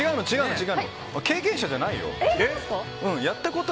違うの、経験者じゃないよ。